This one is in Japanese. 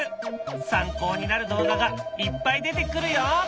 参考になる動画がいっぱい出てくるよ。